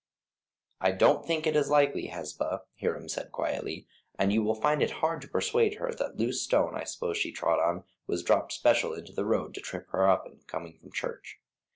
"I don't think it is likely, Hesba," Hiram said, quietly, "and you will find it hard to persuade her that loose stone I suppose she trod on was dropped special into the road to trip her up in coming from church.